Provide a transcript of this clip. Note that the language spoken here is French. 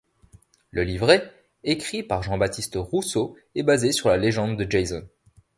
Le livret écrit par Jean-Baptiste Rousseau, est basé sur la légende de Jason.